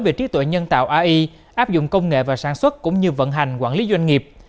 về trí tuệ nhân tạo ai áp dụng công nghệ và sản xuất cũng như vận hành quản lý doanh nghiệp